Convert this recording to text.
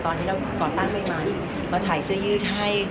ตอนที่เราก่อตั้งใหม่มาถ่ายเสื้อยืดให้